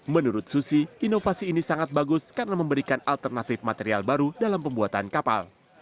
menurut susi inovasi ini sangat bagus karena memberikan alternatif material baru dalam pembuatan kapal